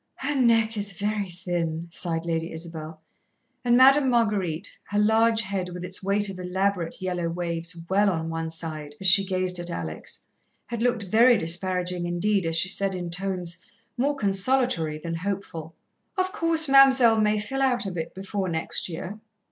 "Her neck is very thin," sighed Lady Isabel, and Madame Marguerite, her large head with its weight of elaborate yellow waves well on one side as she gazed at Alex, had looked very disparaging indeed as she said, in tones more consolatory than hopeful: "Of course, Mam'selle may fill out a bit before next year."